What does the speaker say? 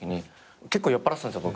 結構酔っぱらってたんですよ